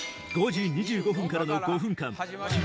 ５時２５分からの５分間ピ！